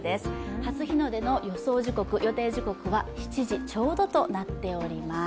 初日の出の予想時刻、予定時刻は７時ちょうどとなっております。